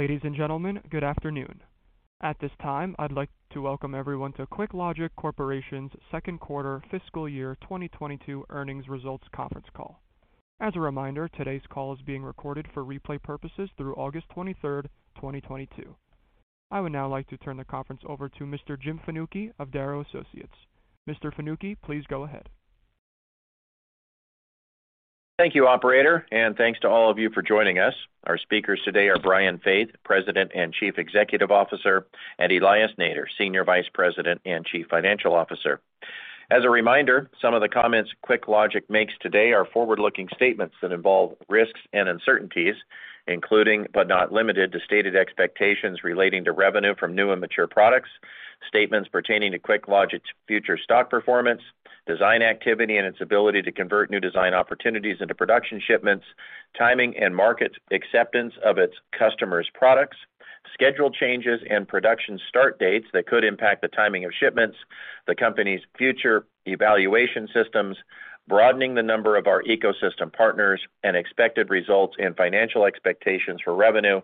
Ladies and gentlemen, good afternoon. At this time, I'd like to welcome everyone to QuickLogic Corporation's second quarter fiscal year 2022 earnings results conference call. As a reminder, today's call is being recorded for replay purposes through August 23, 2022. I would now like to turn the conference over to Mr. Jim Fanucchi of Darrow Associates. Mr. Fanucchi, please go ahead. Thank you, operator, and thanks to all of you for joining us. Our speakers today are Brian Faith, President and Chief Executive Officer, and Elias Nader, Senior Vice President and Chief Financial Officer. As a reminder, some of the comments QuickLogic makes today are forward-looking statements that involve risks and uncertainties, including, but not limited to, stated expectations relating to revenue from new and mature products, statements pertaining to QuickLogic's future stock performance, design activity, and its ability to convert new design opportunities into production shipments, timing and market acceptance of its customers' products, schedule changes and production start dates that could impact the timing of shipments, the company's future evaluation systems, broadening the number of our ecosystem partners, and expected results and financial expectations for revenue,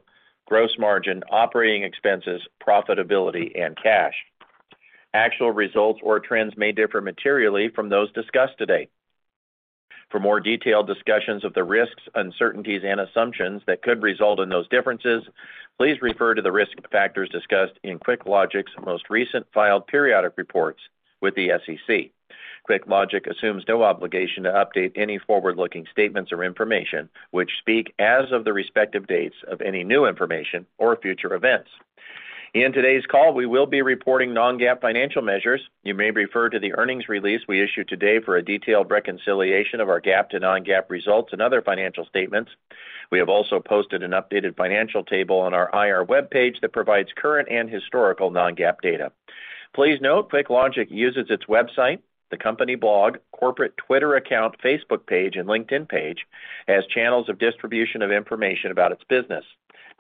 gross margin, operating expenses, profitability, and cash. Actual results or trends may differ materially from those discussed today. For more detailed discussions of the risks, uncertainties, and assumptions that could result in those differences, please refer to the risk factors discussed in QuickLogic's most recent filed periodic reports with the SEC. QuickLogic assumes no obligation to update any forward-looking statements or information which speak as of the respective dates of any new information or future events. In today's call, we will be reporting non-GAAP financial measures. You may refer to the earnings release we issued today for a detailed reconciliation of our GAAP to non-GAAP results and other financial statements. We have also posted an updated financial table on our IR webpage that provides current and historical non-GAAP data. Please note, QuickLogic uses its website, the company blog, corporate Twitter account, Facebook page, and LinkedIn page as channels of distribution of information about its business.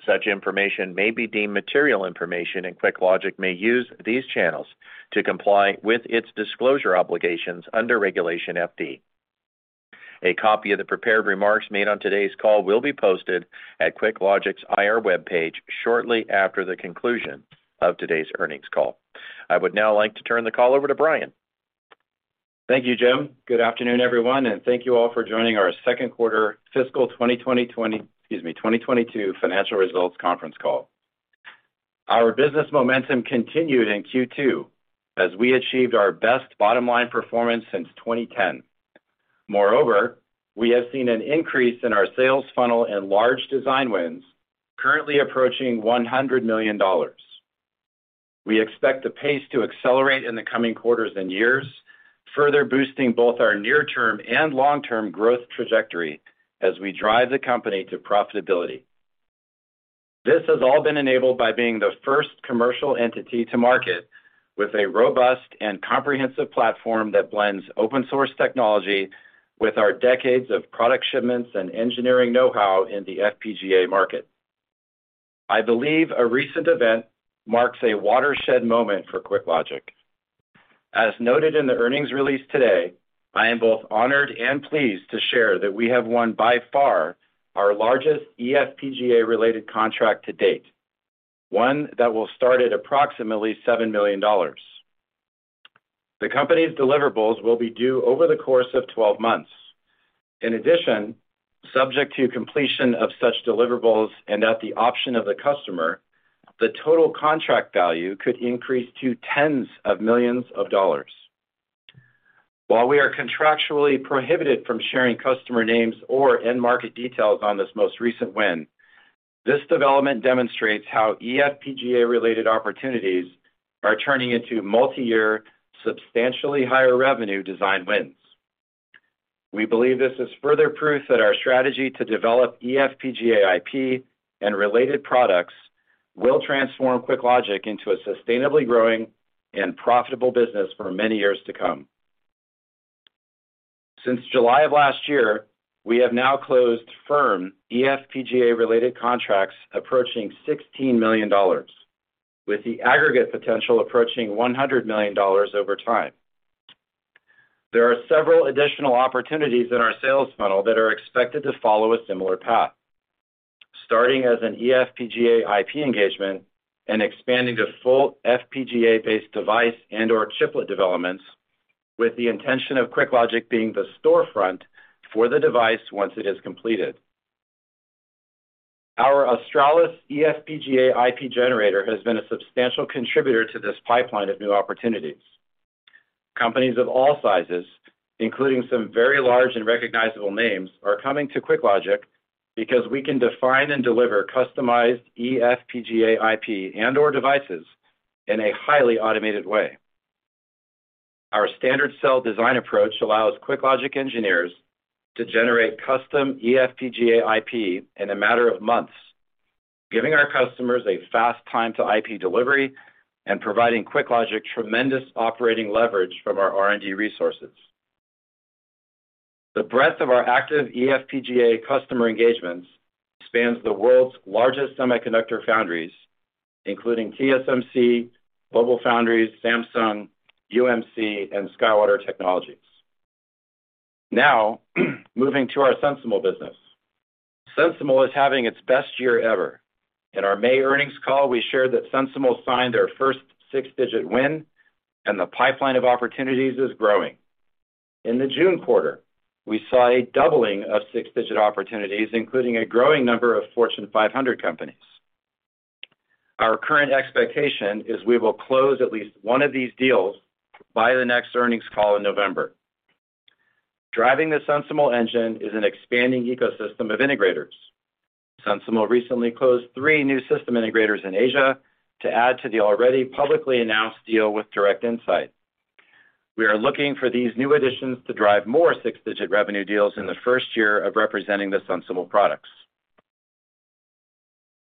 Such information may be deemed material information, and QuickLogic may use these channels to comply with its disclosure obligations under Regulation FD. A copy of the prepared remarks made on today's call will be posted at QuickLogic's IR webpage shortly after the conclusion of today's earnings call. I would now like to turn the call over to Brian. Thank you, Jim. Good afternoon, everyone, and thank you all for joining our second quarter fiscal 2022 financial results conference call. Our business momentum continued in Q2 as we achieved our best bottom-line performance since 2010. Moreover, we have seen an increase in our sales funnel and large design wins currently approaching $100 million. We expect the pace to accelerate in the coming quarters and years, further boosting both our near-term and long-term growth trajectory as we drive the company to profitability. This has all been enabled by being the first commercial entity to market with a robust and comprehensive platform that blends open-source technology with our decades of product shipments and engineering know-how in the FPGA market. I believe a recent event marks a watershed moment for QuickLogic. As noted in the earnings release today, I am both honored and pleased to share that we have won by far our largest eFPGA-related contract to date, one that will start at approximately $7 million. The company's deliverables will be due over the course of 12 months. In addition, subject to completion of such deliverables and at the option of the customer, the total contract value could increase to tens of millions of dollars. While we are contractually prohibited from sharing customer names or end-market details on this most recent win, this development demonstrates how eFPGA-related opportunities are turning into multi-year, substantially higher revenue design wins. We believe this is further proof that our strategy to develop eFPGA IP and related products will transform QuickLogic into a sustainably growing and profitable business for many years to come. Since July of last year, we have now closed firm eFPGA-related contracts approaching $16 million, with the aggregate potential approaching $100 million over time. There are several additional opportunities in our sales funnel that are expected to follow a similar path, starting as an eFPGA IP engagement and expanding to full FPGA-based device and/or chiplet developments with the intention of QuickLogic being the storefront for the device once it is completed. Our Australis eFPGA IP generator has been a substantial contributor to this pipeline of new opportunities. Companies of all sizes, including some very large and recognizable names, are coming to QuickLogic because we can define and deliver customized eFPGA IP and/or devices in a highly automated way. Our standard cell design approach allows QuickLogic engineers to generate custom eFPGA IP in a matter of months, giving our customers a fast time to IP delivery and providing QuickLogic tremendous operating leverage from our R&D resources. The breadth of our active eFPGA customer engagements spans the world's largest semiconductor foundries, including TSMC, GlobalFoundries, Samsung, UMC, and SkyWater Technology. Now moving to our SensiML business. SensiML is having its best year ever. In our May earnings call, we shared that SensiML signed their first six-digit win and the pipeline of opportunities is growing. In the June quarter, we saw a doubling of six-digit opportunities, including a growing number of Fortune 500 companies. Our current expectation is we will close at least one of these deals by the next earnings call in November. Driving the SensiML engine is an expanding ecosystem of integrators. SensiML recently closed three new system integrators in Asia to add to the already publicly announced deal with Direct Insight. We are looking for these new additions to drive more six-digit revenue deals in the first year of representing the SensiML products.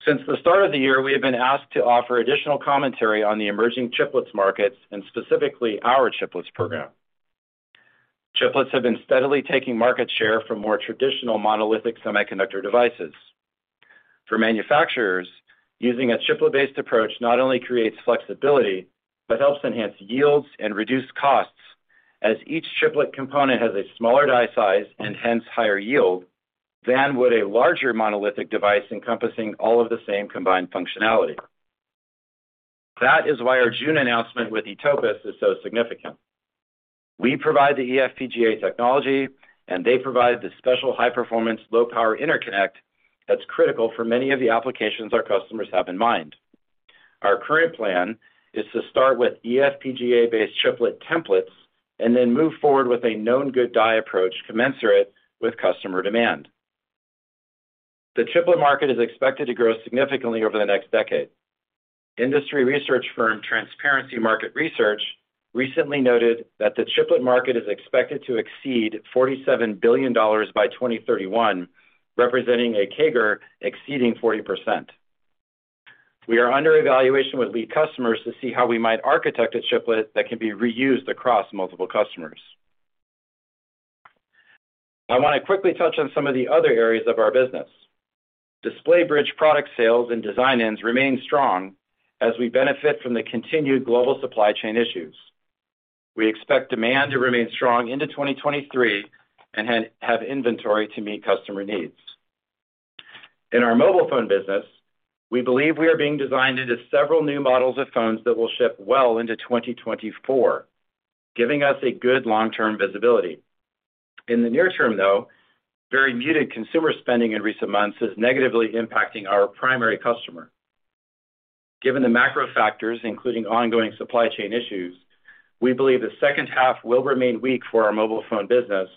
Since the start of the year, we have been asked to offer additional commentary on the emerging chiplets markets and specifically our chiplets program. Chiplets have been steadily taking market share from more traditional monolithic semiconductor devices. For manufacturers, using a chiplet-based approach not only creates flexibility, but helps enhance yields and reduce costs as each chiplet component has a smaller die size and hence higher yield than would a larger monolithic device encompassing all of the same combined functionality. That is why our June announcement with eTopus is so significant. We provide the eFPGA technology and they provide the special high-performance, low power interconnect that's critical for many of the applications our customers have in mind. Our current plan is to start with eFPGA-based chiplet templates and then move forward with a Known Good Die approach commensurate with customer demand. The chiplet market is expected to grow significantly over the next decade. Industry research firm Transparency Market Research recently noted that the chiplet market is expected to exceed $47 billion by 2031, representing a CAGR exceeding 40%. We are under evaluation with lead customers to see how we might architect a chiplet that can be reused across multiple customers. I want to quickly touch on some of the other areas of our business. Display Bridge product sales and design-ins remain strong as we benefit from the continued global supply chain issues. We expect demand to remain strong into 2023 and have inventory to meet customer needs. In our mobile phone business, we believe we are being designed into several new models of phones that will ship well into 2024, giving us a good long-term visibility. In the near term, though, very muted consumer spending in recent months is negatively impacting our primary customer. Given the macro factors, including ongoing supply chain issues, we believe the second half will remain weak for our mobile phone business,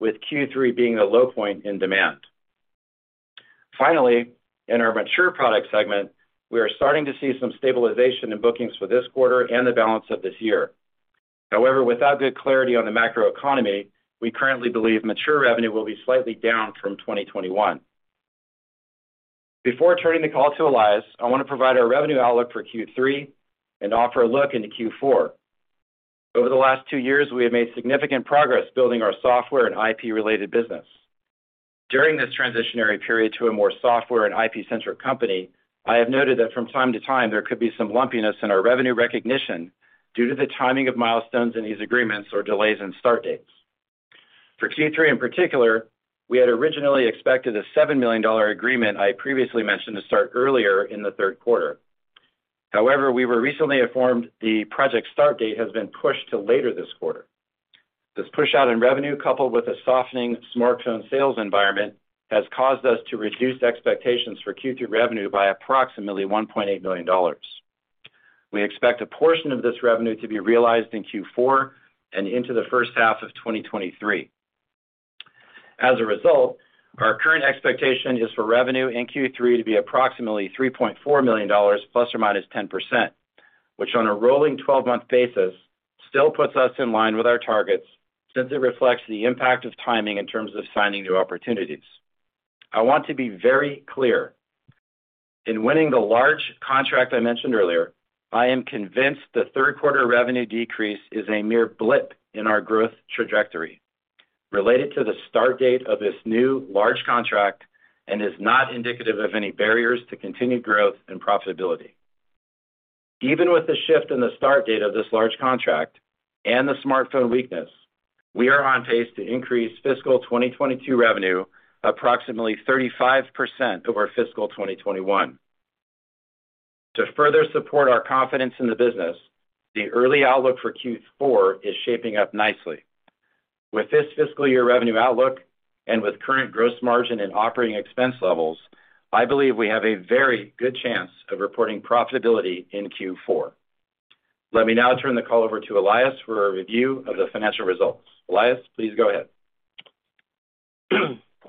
with Q3 being the low point in demand. Finally, in our mature product segment, we are starting to see some stabilization in bookings for this quarter and the balance of this year. However, without good clarity on the macro economy, we currently believe mature revenue will be slightly down from 2021. Before turning the call to Elias, I want to provide our revenue outlook for Q3 and offer a look into Q4. Over the last two years, we have made significant progress building our software and IP-related business. During this transitionary period to a more software and IP-centric company, I have noted that from time to time, there could be some lumpiness in our revenue recognition due to the timing of milestones in these agreements or delays in start dates. For Q3 in particular, we had originally expected a $7 million agreement I previously mentioned to start earlier in the third quarter. However, we were recently informed the project start date has been pushed to later this quarter. This push out in revenue, coupled with a softening smartphone sales environment, has caused us to reduce expectations for Q3 revenue by approximately $1.8 million. We expect a portion of this revenue to be realized in Q4 and into the first half of 2023. As a result, our current expectation is for revenue in Q3 to be approximately $3.4 million ±10%, which on a rolling 12-month basis still puts us in line with our targets since it reflects the impact of timing in terms of signing new opportunities. I want to be very clear. In winning the large contract I mentioned earlier, I am convinced the third quarter revenue decrease is a mere blip in our growth trajectory related to the start date of this new large contract and is not indicative of any barriers to continued growth and profitability. Even with the shift in the start date of this large contract and the smartphone weakness, we are on pace to increase fiscal 2022 revenue approximately 35% over fiscal 2021. To further support our confidence in the business, the early outlook for Q4 is shaping up nicely. With this fiscal year revenue outlook and with current gross margin and operating expense levels, I believe we have a very good chance of reporting profitability in Q4. Let me now turn the call over to Elias for a review of the financial results. Elias, please go ahead.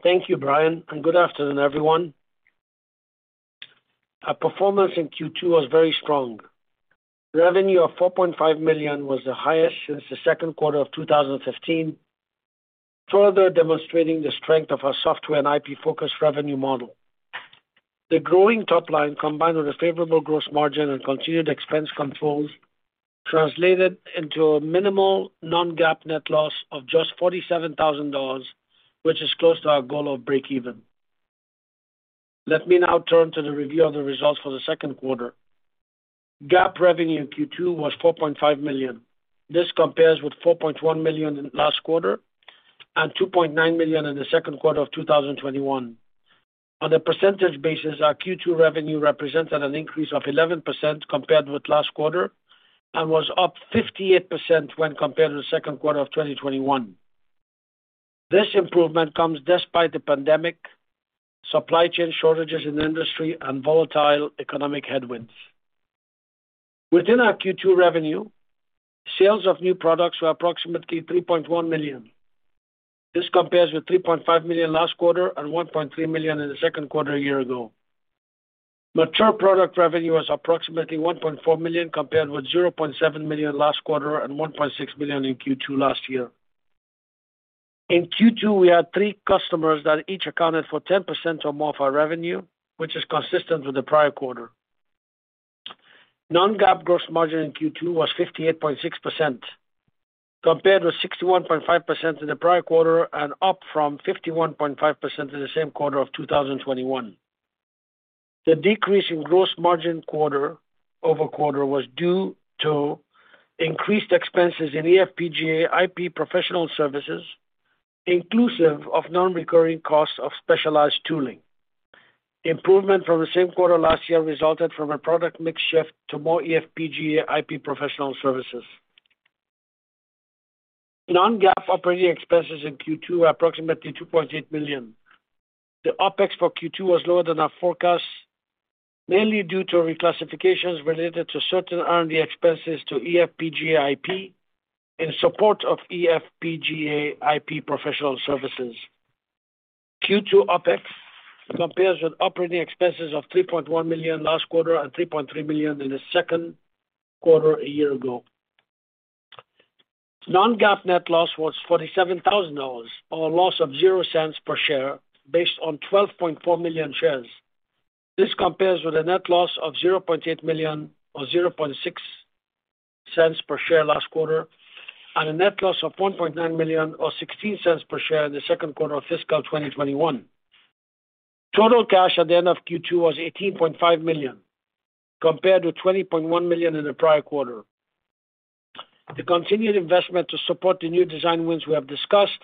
Thank you, Brian, and good afternoon, everyone. Our performance in Q2 was very strong. Revenue of $4.5 million was the highest since the second quarter of 2015, further demonstrating the strength of our software and IP-focused revenue model. The growing top line, combined with a favorable gross margin and continued expense controls, translated into a minimal non-GAAP net loss of just $47,000, which is close to our goal of break even. Let me now turn to the review of the results for the second quarter. GAAP revenue in Q2 was $4.5 million. This compares with $4.1 million in last quarter and $2.9 million in the second quarter of 2021. On a percentage basis, our Q2 revenue represented an increase of 11% compared with last quarter and was up 58% when compared to the second quarter of 2021. This improvement comes despite the pandemic, supply chain shortages in the industry and volatile economic headwinds. Within our Q2 revenue, sales of new products were approximately $3.1 million. This compares with $3.5 million last quarter and $1.3 million in the second quarter a year ago. Mature product revenue was approximately $1.4 million, compared with $0.7 million last quarter and $1.6 million in Q2 last year. In Q2, we had three customers that each accounted for 10% or more of our revenue, which is consistent with the prior quarter. Non-GAAP gross margin in Q2 was 58.6%, compared with 61.5% in the prior quarter and up from 51.5% in the same quarter of 2021. The decrease in gross margin quarter-over-quarter was due to increased expenses in eFPGA IP professional services, inclusive of non-recurring costs of specialized tooling. Improvement from the same quarter last year resulted from a product mix shift to more eFPGA IP professional services. Non-GAAP operating expenses in Q2 were approximately $2.8 million. The OpEx for Q2 was lower than our forecast, mainly due to reclassifications related to certain R&D expenses to eFPGA IP in support of eFPGA IP professional services. Q2 OpEx compares with operating expenses of $3.1 million last quarter and $3.3 million in the second quarter a year ago. Non-GAAP net loss was $47,000 or a loss of $0.00 per share based on 12.4 million shares. This compares with a net loss of $0.8 million or $0.006 per share last quarter and a net loss of $1.9 million or $0.16 per share in the second quarter of fiscal 2021. Total cash at the end of Q2 was $18.5 million, compared to $20.1 million in the prior quarter. The continued investment to support the new design wins we have discussed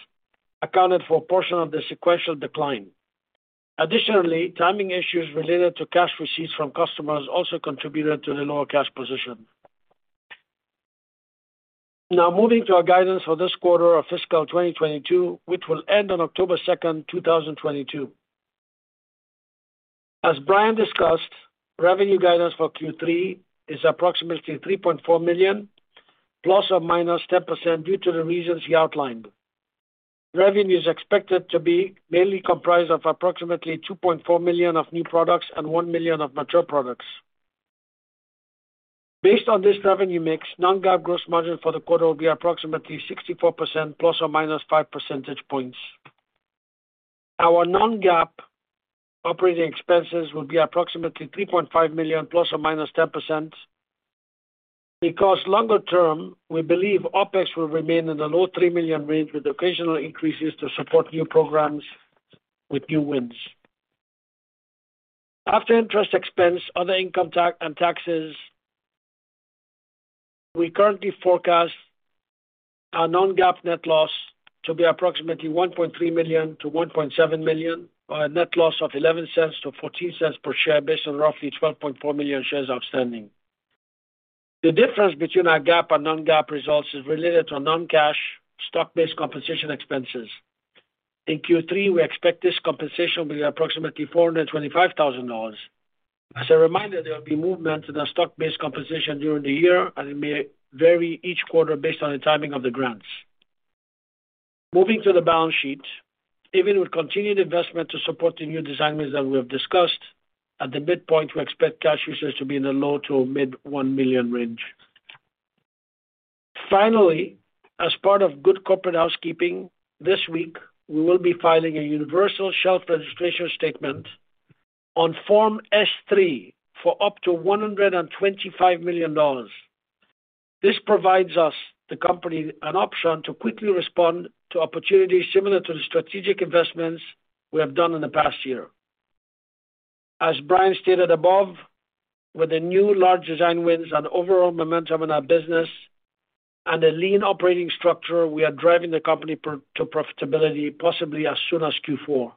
accounted for a portion of the sequential decline. Additionally, timing issues related to cash receipts from customers also contributed to the lower cash position. Now moving to our guidance for this quarter of fiscal 2022, which will end on October 2, 2022. As Brian discussed, revenue guidance for Q3 is approximately $3.4 million ±10% due to the reasons he outlined. Revenue is expected to be mainly comprised of approximately $2.4 million of new products and $1 million of mature products. Based on this revenue mix, non-GAAP gross margin for the quarter will be approximately 64% ±5 percentage points. Our non-GAAP operating expenses will be approximately $3.5 million ±10% because longer term, we believe OpEx will remain in the low $3 million range with occasional increases to support new programs with new wins. After interest expense, other income and taxes, we currently forecast our non-GAAP net loss to be approximately $1.3 million-$1.7 million, or a net loss of $0.11-$0.14 per share based on roughly 12.4 million shares outstanding. The difference between our GAAP and non-GAAP results is related to non-cash stock-based compensation expenses. In Q3, we expect this compensation will be approximately $425,000. As a reminder, there will be movement in our stock-based compensation during the year, and it may vary each quarter based on the timing of the grants. Moving to the balance sheet, even with continued investment to support the new design wins that we have discussed, at the midpoint, we expect cash usage to be in the low- to mid-$1 million range. Finally, as part of good corporate housekeeping, this week we will be filing a universal shelf registration statement on Form S-3 for up to $125 million. This provides us, the company, an option to quickly respond to opportunities similar to the strategic investments we have done in the past year. As Brian stated above, with the new large design wins and overall momentum in our business and a lean operating structure, we are driving the company path to profitability possibly as soon as Q4.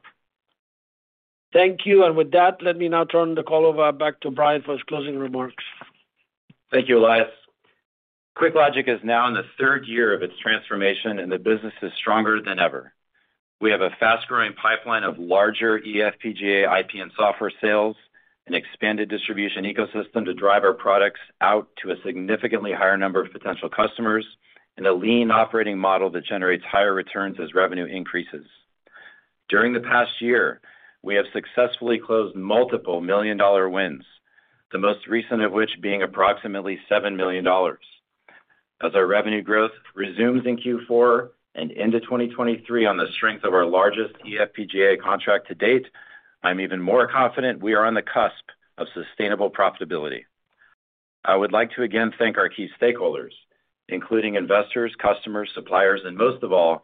Thank you. With that, let me now turn the call back over to Brian for his closing remarks. Thank you, Elias. QuickLogic is now in the third year of its transformation, and the business is stronger than ever. We have a fast-growing pipeline of larger eFPGA IP and software sales, an expanded distribution ecosystem to drive our products out to a significantly higher number of potential customers, and a lean operating model that generates higher returns as revenue increases. During the past year, we have successfully closed multiple million-dollar wins, the most recent of which being approximately $7 million. As our revenue growth resumes in Q4 and into 2023 on the strength of our largest eFPGA contract to date, I'm even more confident we are on the cusp of sustainable profitability. I would like to, again, thank our key stakeholders, including investors, customers, suppliers, and most of all,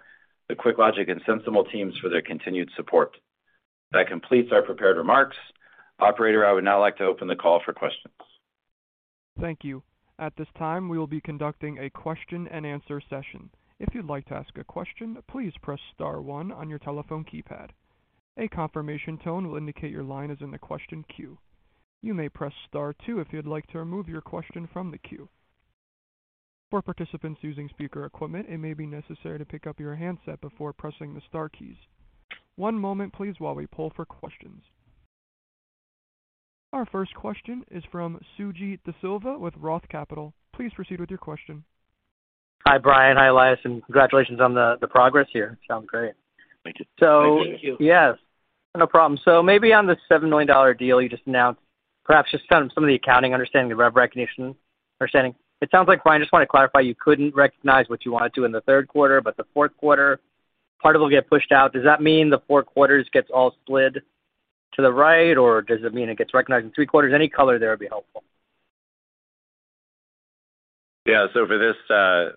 the QuickLogic and SensiML teams for their continued support. That completes our prepared remarks. Operator, I would now like to open the call for questions. Thank you. At this time, we will be conducting a question and answer session. If you'd like to ask a question, please press star one on your telephone keypad. A confirmation tone will indicate your line is in the question queue. You may press star two if you'd like to remove your question from the queue. For participants using speaker equipment, it may be necessary to pick up your handset before pressing the star keys. One moment please while we poll for questions. Our first question is from Suji Desilva with ROTH Capital. Please proceed with your question. Hi, Brian. Hi, Elias, and congratulations on the progress here. Sounds great. Thank you. Yes, no problem. Maybe on the $7 million deal you just announced, perhaps just some of the accounting, understanding the rev recognition. It sounds like, Brian, just want to clarify, you couldn't recognize what you wanted to in the third quarter, but the fourth quarter part of it will get pushed out. Does that mean the fourth quarter gets all split to the right? Or does it mean it gets recognized in three quarters? Any color there would be helpful. Yeah. For this,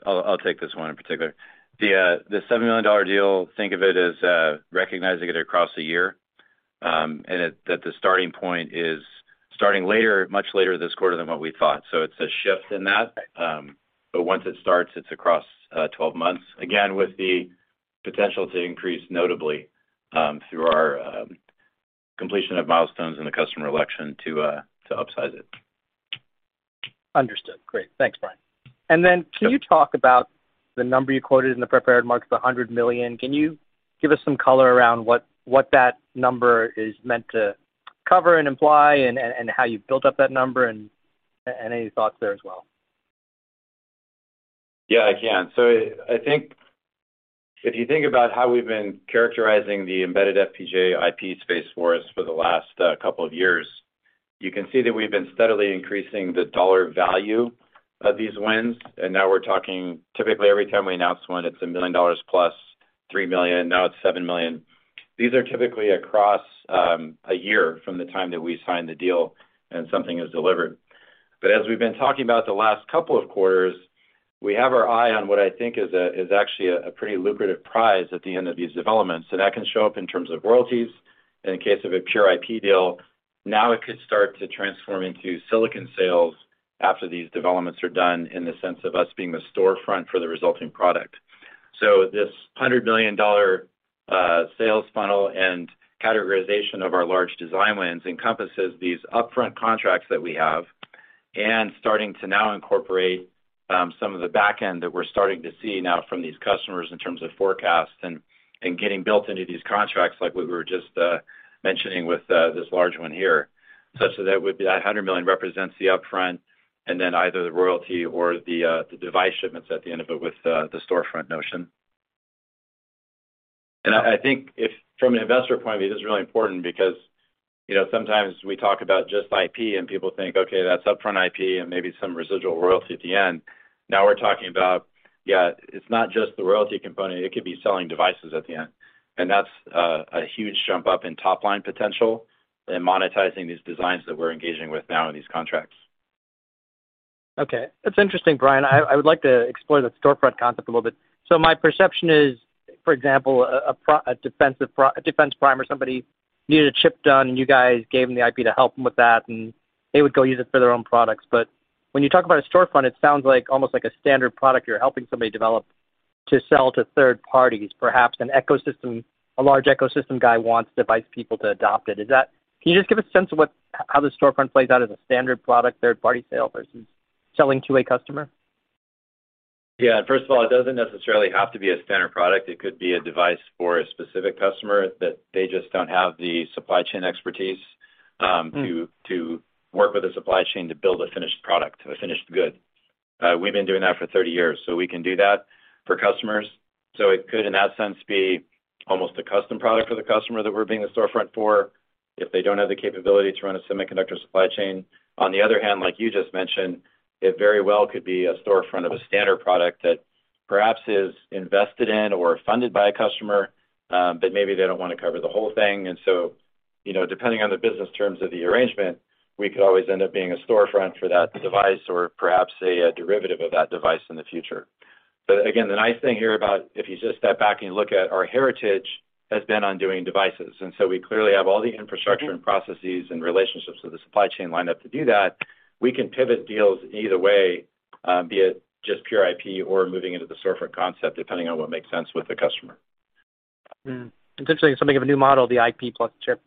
I'll take this one in particular. The $7 million deal, think of it as recognizing it across a year, that the starting point is starting later, much later this quarter than what we thought. It's a shift in that. Once it starts, it's across 12 months. Again, with the potential to increase notably, through our completion of milestones in the customer election to upsize it. Understood. Great. Thanks, Brian. Can you talk about the number you quoted in the prepared remarks, the $100 million? Can you give us some color around what that number is meant to cover and imply and how you built up that number, and any thoughts there as well? Yeah, I can. I think if you think about how we've been characterizing the embedded FPGA IP space for us for the last couple of years, you can see that we've been steadily increasing the dollar value of these wins. Now we're talking typically every time we announce one, it's $1 million+ $3 million, now it's $7 million. These are typically across a year from the time that we sign the deal and something is delivered. As we've been talking about the last couple of quarters, we have our eye on what I think is actually a pretty lucrative prize at the end of these developments. That can show up in terms of royalties. In case of a pure IP deal, now it could start to transform into silicon sales after these developments are done, in the sense of us being the storefront for the resulting product. This $100 million sales funnel and categorization of our large design wins encompasses these upfront contracts that we have and starting to now incorporate some of the back end that we're starting to see now from these customers in terms of forecasts and getting built into these contracts like we were just mentioning with this large one here. Such that would be that $100 million represents the upfront and then either the royalty or the device shipments at the end of it with the storefront notion. I think if from an investor point of view, this is really important because, you know, sometimes we talk about just IP and people think, "Okay, that's upfront IP and maybe some residual royalty at the end." Now we're talking about, yeah, it's not just the royalty component, it could be selling devices at the end. That's a huge jump up in top-line potential in monetizing these designs that we're engaging with now in these contracts. Okay. That's interesting, Brian. I would like to explore the storefront concept a little bit. My perception is, for example, a defense prime or somebody needed a chip done, and you guys gave them the IP to help them with that, and they would go use it for their own products. When you talk about a storefront, it sounds like almost like a standard product you're helping somebody develop to sell to third parties. Perhaps an ecosystem, a large ecosystem guy wants device people to adopt it. Is that. Can you just give a sense of how the storefront plays out as a standard product, third party sale versus selling to a customer? Yeah. First of all, it doesn't necessarily have to be a standard product. It could be a device for a specific customer that they just don't have the supply chain expertise. Hmm To work with a supply chain to build a finished product, a finished good. We've been doing that for 30 years, so we can do that for customers. It could, in that sense, be almost a custom product for the customer that we're being the storefront for if they don't have the capability to run a semiconductor supply chain. On the other hand, like you just mentioned, it very well could be a storefront of a standard product that perhaps is invested in or funded by a customer, but maybe they don't wanna cover the whole thing. You know, depending on the business terms of the arrangement, we could always end up being a storefront for that device or perhaps a derivative of that device in the future. Again, the nice thing here about if you just step back and look at our heritage has been on doing devices, and so we clearly have all the infrastructure and processes and relationships with the supply chain lined up to do that. We can pivot deals either way, be it just pure IP or moving into the storefront concept, depending on what makes sense with the customer. Potentially something of a new model, the IP plus chip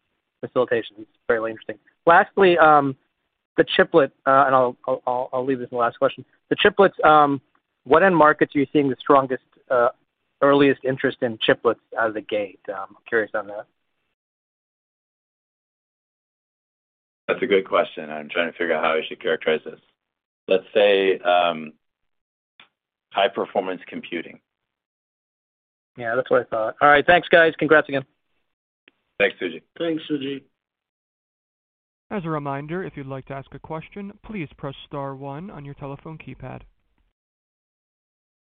facilitation. It's fairly interesting. Lastly, the chiplet, and I'll leave this in the last question. The chiplets, what end markets are you seeing the strongest, earliest interest in chiplets out of the gate? I'm curious on that. That's a good question. I'm trying to figure out how I should characterize this. Let's say, high-performance computing. Yeah, that's what I thought. All right. Thanks, guys. Congrats again. Thanks, Suji. Thanks, Suji. As a reminder, if you'd like to ask a question, please press star one on your telephone keypad.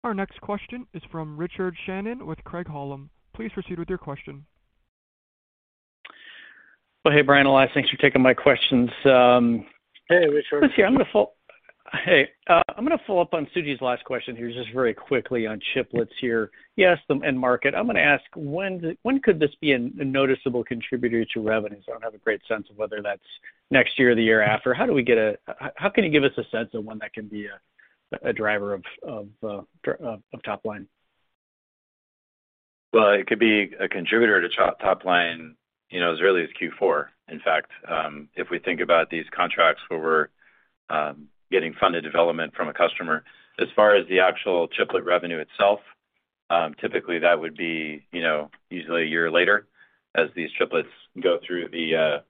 Our next question is from Richard Shannon with Craig-Hallum. Please proceed with your question. Oh, hey, Brian, Elias. Thanks for taking my questions. Hey, Richard. I'm gonna follow up on Suji's last question here just very quickly on chiplets here. You asked them end market. I'm gonna ask when could this be a noticeable contributor to revenues. I don't have a great sense of whether that's next year or the year after. How can you give us a sense of when that can be a driver of top line? Well, it could be a contributor to top line, you know, as early as Q4. In fact, if we think about these contracts where we're getting funded development from a customer. As far as the actual chiplet revenue itself, typically that would be, you know, usually a year later as these chiplets go through the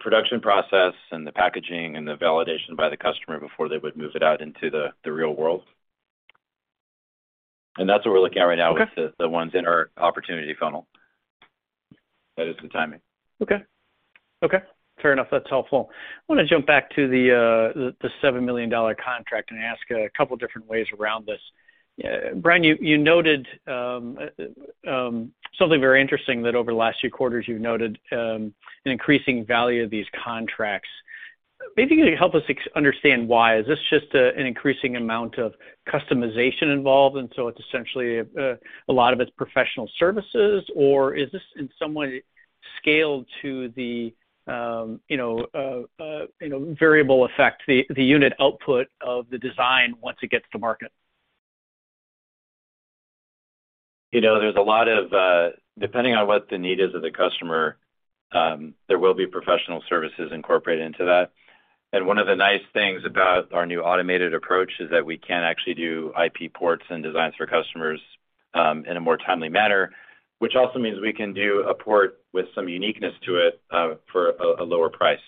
production process and the packaging and the validation by the customer before they would move it out into the real world. That's what we're looking at right now. Okay with the ones in our opportunity funnel. That is the timing. Okay. Fair enough. That's helpful. I wanna jump back to the $7 million contract and ask a couple different ways around this. Brian, you noted something very interesting that over the last few quarters you've noted an increasing value of these contracts. Maybe you can help us understand why. Is this just an increasing amount of customization involved, and so it's essentially a lot of it's professional services? Or is this in some way scaled to the you know variable effect, the unit output of the design once it gets to market? You know, there's a lot of depending on what the need is of the customer, there will be professional services incorporated into that. One of the nice things about our new automated approach is that we can actually do IP ports and designs for customers in a more timely manner, which also means we can do a port with some uniqueness to it for a lower price.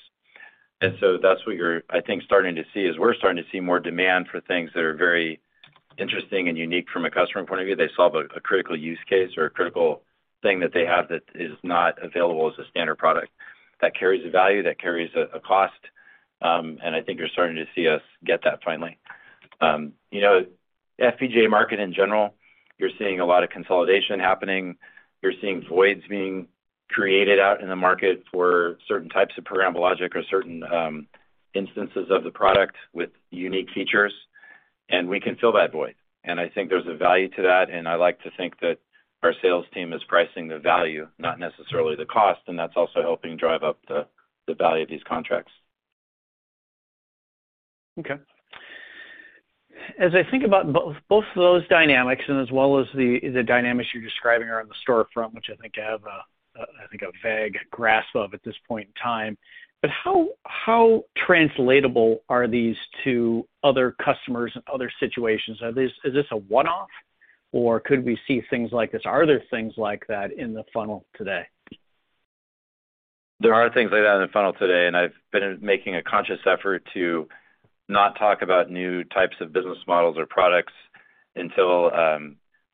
That's what you're, I think, starting to see is we're starting to see more demand for things that are very interesting and unique from a customer point of view. They solve a critical use case or a critical thing that they have that is not available as a standard product. That carries a value, that carries a cost. I think you're starting to see us get that finally. You know, FPGA market in general, you're seeing a lot of consolidation happening. You're seeing voids being created out in the market for certain types of programmable logic or certain instances of the product with unique features, and we can fill that void. I think there's a value to that, and I like to think that our sales team is pricing the value, not necessarily the cost, and that's also helping drive up the value of these contracts. Okay. As I think about both of those dynamics and as well as the dynamics you're describing around the storefront, which I think I have a vague grasp of at this point in time, but how translatable are these to other customers and other situations? Is this a one-off or could we see things like this? Are there things like that in the funnel today? There are things like that in the funnel today, and I've been making a conscious effort to not talk about new types of business models or products until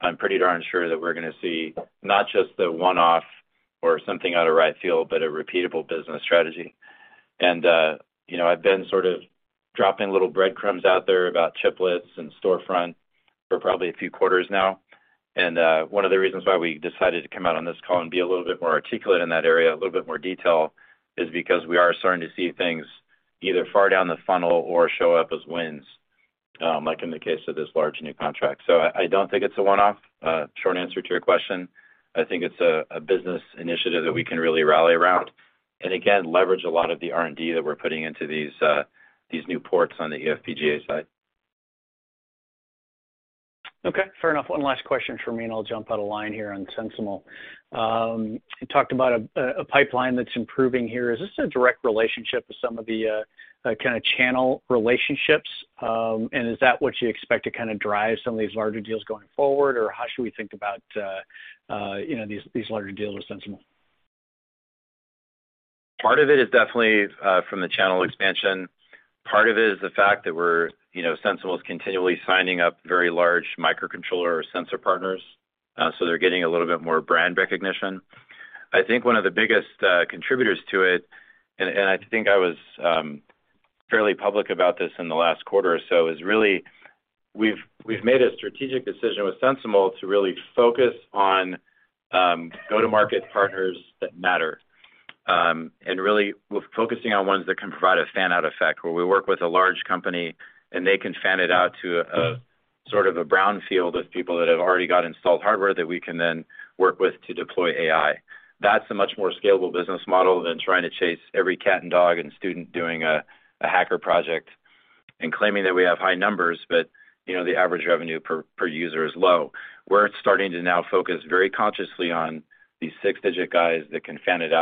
I'm pretty darn sure that we're gonna see not just a one-off or something out of right field, but a repeatable business strategy. You know, I've been sort of dropping little breadcrumbs out there about chiplets and storefront for probably a few quarters now. One of the reasons why we decided to come out on this call and be a little bit more articulate in that area, a little bit more detail, is because we are starting to see things either far down the funnel or show up as wins, like in the case of this large new contract. I don't think it's a one-off, short answer to your question. I think it's a business initiative that we can really rally around and, again, leverage a lot of the R&D that we're putting into these new ports on the eFPGA side. Okay, fair enough. One last question from me, and I'll jump out of line here on SensiML. You talked about a pipeline that's improving here. Is this a direct relationship with some of the kinda channel relationships? Is that what you expect to kinda drive some of these larger deals going forward? Or how should we think about, you know, these larger deals with SensiML? Part of it is definitely from the channel expansion. Part of it is the fact that we're, you know, SensiML is continually signing up very large microcontroller or sensor partners, so they're getting a little bit more brand recognition. I think one of the biggest contributors to it, and I think I was fairly public about this in the last quarter or so, is really we've made a strategic decision with SensiML to really focus on go-to-market partners that matter. Really we're focusing on ones that can provide a fan-out effect, where we work with a large company and they can fan it out to a sort of a brown field of people that have already got installed hardware that we can then work with to deploy AI. That's a much more scalable business model than trying to chase every cat and dog and student doing a hacker project and claiming that we have high numbers but, you know, the average revenue per user is low. We're starting to now focus very consciously on these six-digit guys that can fan it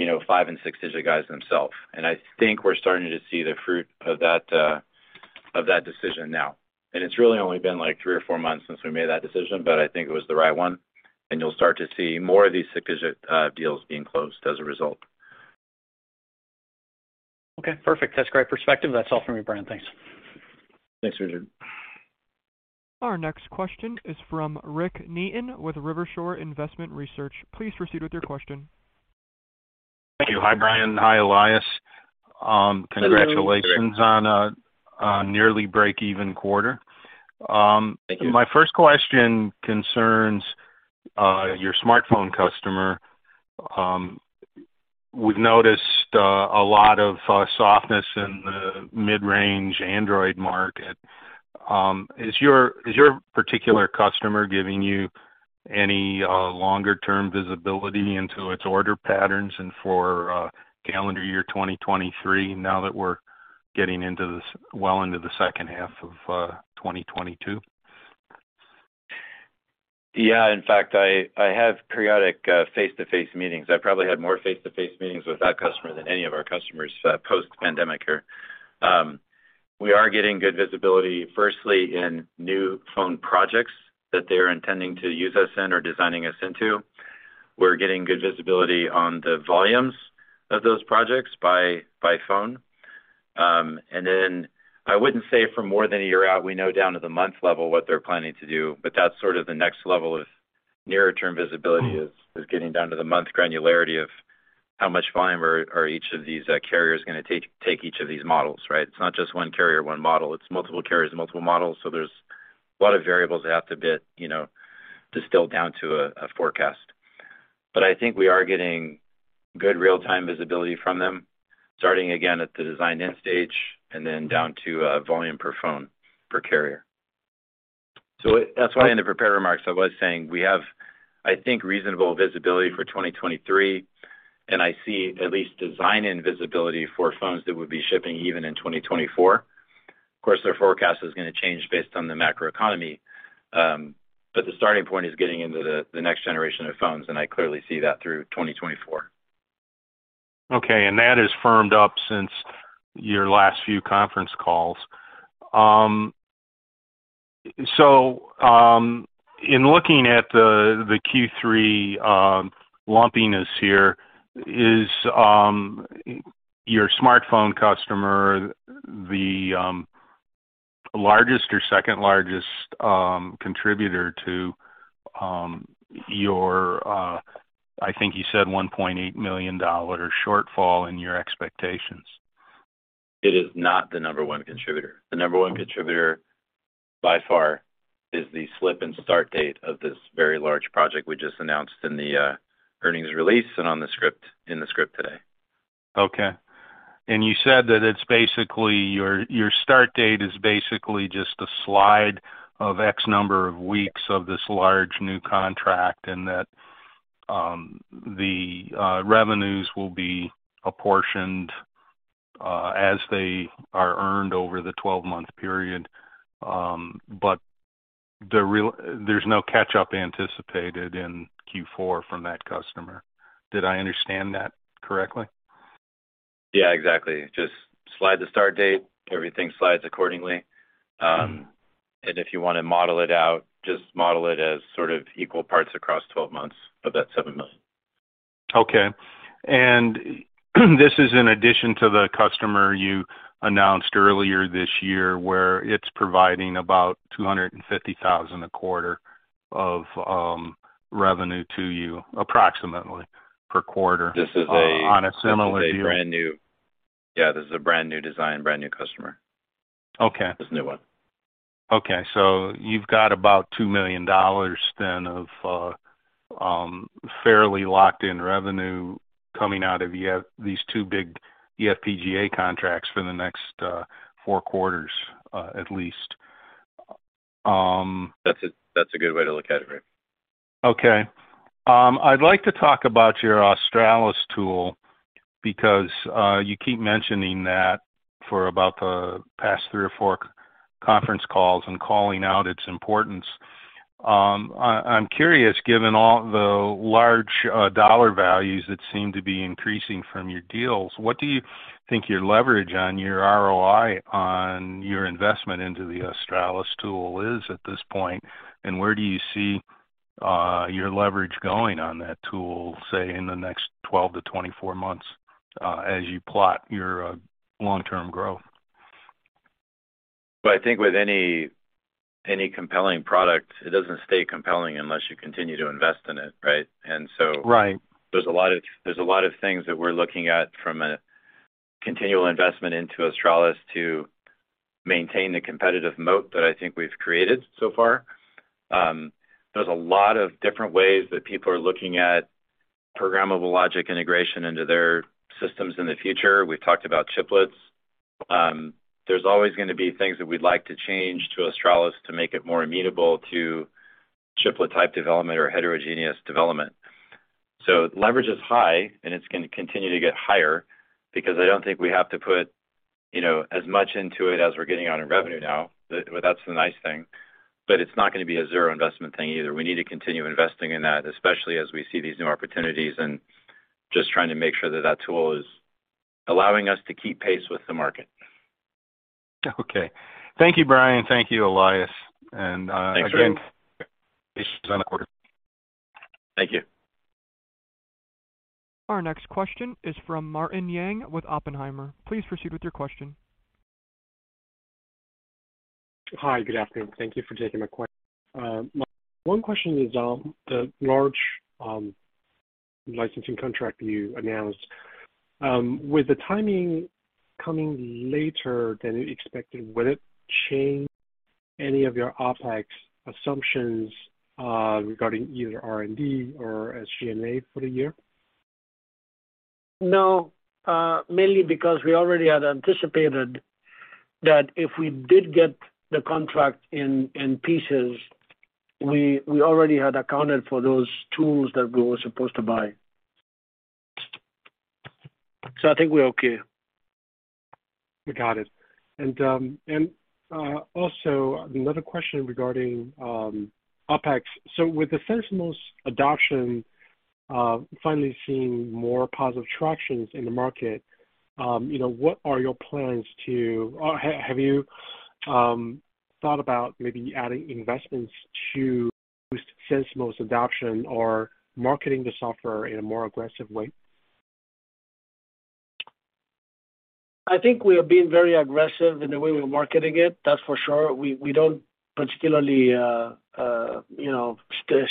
out to, you know, five and six-digit guys themselves. I think we're starting to see the fruit of that decision now. It's really only been, like, three or four months since we made that decision, but I think it was the right one, and you'll start to see more of these six-digit deals being closed as a result. Okay, perfect. That's great perspective. That's all from me, Brian. Thanks. Thanks, Richard. Our next question is from Rick Neaton with Rivershore Investment Research. Please proceed with your question. Thank you. Hi, Brian. Hi, Elias. Congratulations on a nearly break-even quarter. Thank you. My first question concerns your smartphone customer. We've noticed a lot of softness in the mid-range Android market. Is your particular customer giving you any longer-term visibility into its order patterns and for calendar year 2023 now that we're well into the second half of 2022? Yeah. In fact, I have periodic face-to-face meetings. I probably had more face-to-face meetings with that customer than any of our customers post-pandemic here. We are getting good visibility, firstly, in new phone projects that they're intending to use us in or designing us into. We're getting good visibility on the volumes of those projects by phone. I wouldn't say for more than a year out we know down to the month level what they're planning to do, but that's sort of the next level of nearer-term visibility. Mm-hmm. It's getting down to the month granularity of how much volume are each of these carriers gonna take each of these models, right? It's not just one carrier, one model. It's multiple carriers, multiple models, so there's a lot of variables that have to be you know distilled down to a forecast. I think we are getting good real-time visibility from them, starting again at the design in stage and then down to volume per phone per carrier. That's why in the prepared remarks I was saying we have I think reasonable visibility for 2023, and I see at least design and visibility for phones that would be shipping even in 2024. Of course, their forecast is gonna change based on the macro economy, but the starting point is getting into the next generation of phones, and I clearly see that through 2024. Okay, that has firmed up since your last few conference calls. In looking at the Q3 lumpiness here, is your smartphone customer the largest or second largest contributor to your, I think you said $1.8 million, shortfall in your expectations? It is not the number one contributor. The number one contributor by far is the slip in start date of this very large project we just announced in the earnings release and in the script today. Okay. You said that it's basically your start date is basically just a slide of X number of weeks of this large new contract and that the revenues will be apportioned as they are earned over the 12-month period, but there's no catch up anticipated in Q4 from that customer. Did I understand that correctly? Yeah, exactly. Just slide the start date, everything slides accordingly. If you wanna model it out, just model it as sort of equal parts across 12 months of that $7 million. Okay. This is in addition to the customer you announced earlier this year where it's providing about $250,000, 1/4 of revenue to you approximately per quarter. This is a- On a similar deal. Yeah, this is a brand new design, brand new customer. Okay. This is a new one. Okay. You've got about $2 million then of fairly locked-in revenue coming out of these two big eFPGA contracts for the next four quarters, at least. That's a good way to look at it, Rick. Okay. I'd like to talk about your Australis tool because you keep mentioning that for about the past three or four conference calls and calling out its importance. I'm curious, given all the large dollar values that seem to be increasing from your deals, what do you think your leverage on your ROI on your investment into the Australis tool is at this point? Where do you see your leverage going on that tool, say, in the next 12-24 months, as you plot your long-term growth? Well, I think with any compelling product, it doesn't stay compelling unless you continue to invest in it, right? Right. There's a lot of things that we're looking at from a continual investment into Australis to maintain the competitive moat that I think we've created so far. There's a lot of different ways that people are looking at programmable logic integration into their systems in the future. We've talked about chiplets. There's always gonna be things that we'd like to change to Australis to make it more immutable to chiplet-type development or heterogeneous development. Leverage is high, and it's gonna continue to get higher because I don't think we have to put, you know, as much into it as we're getting out in revenue now. That's the nice thing. It's not gonna be a zero investment thing either. We need to continue investing in that, especially as we see these new opportunities and just trying to make sure that that tool is allowing us to keep pace with the market. Okay. Thank you, Brian. Thank you, Elias. Thanks, Rick. Again, on the quarter. Thank you. Our next question is from Martin Yang with Oppenheimer. Please proceed with your question. Hi. Good afternoon. Thank you for taking my one question is, the large licensing contract you announced, with the timing coming later than expected, will it change any of your OpEx assumptions, regarding either R&D or SG&A for the year? No, mainly because we already had anticipated that if we did get the contract in pieces, we already had accounted for those tools that we were supposed to buy. I think we're okay. Got it. Also another question regarding OpEx. With the SensiML adoption, finally seeing more positive tractions in the market, you know, what are your plans or have you thought about maybe adding investments to SensiML adoption or marketing the software in a more aggressive way? I think we are being very aggressive in the way we're marketing it, that's for sure. We don't particularly, you know,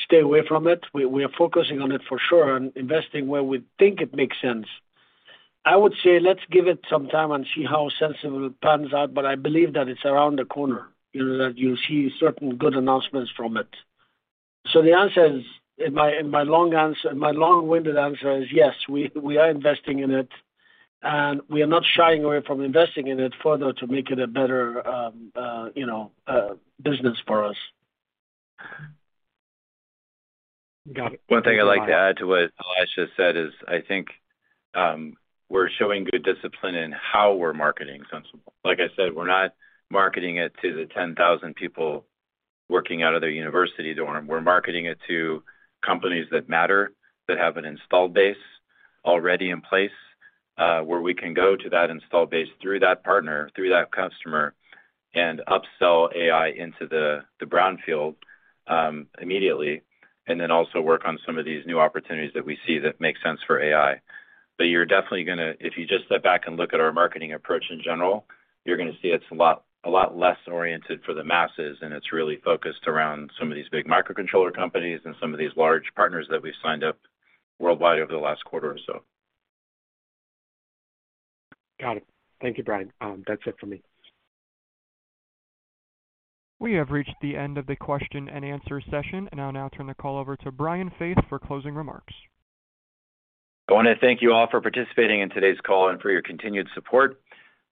stay away from it. We are focusing on it for sure and investing where we think it makes sense. I would say let's give it some time and see how SensiML pans out, but I believe that it's around the corner, you know, that you'll see certain good announcements from it. The answer is, in my long answer, my long-winded answer is yes, we are investing in it, and we are not shying away from investing in it further to make it a better, you know, business for us. Got it. One thing I'd like to add to what Elias just said is I think we're showing good discipline in how we're marketing SensiML. Like I said, we're not marketing it to the 10,000 people working out of their university dorm. We're marketing it to companies that matter, that have an installed base already in place, where we can go to that installed base through that partner, through that customer, and upsell AI into the brownfield immediately, and then also work on some of these new opportunities that we see that make sense for AI. You're definitely gonna. If you just step back and look at our marketing approach in general, you're gonna see it's a lot, a lot less oriented for the masses, and it's really focused around some of these big microcontroller companies and some of these large partners that we've signed up worldwide over the last quarter or so. Got it. Thank you, Brian. That's it for me. We have reached the end of the question and answer session. I'll now turn the call over to Brian Faith for closing remarks. I wanna thank you all for participating in today's call and for your continued support.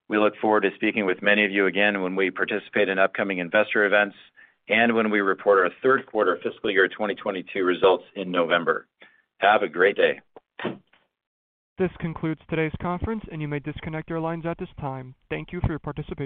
We look forward to speaking with many of you again when we participate in upcoming investor events and when we report our third quarter fiscal year 2022 results in November. Have a great day. This concludes today's conference, and you may disconnect your lines at this time. Thank you for your participation.